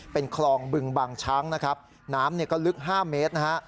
เป็นคลองบึงบางช้างนะครับน้ำเนี่ยก็ลึก๕เมตรนะฮะ